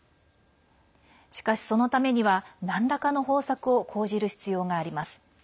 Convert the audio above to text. しかし、そのためにはなんらかの方策を講じる必要があります。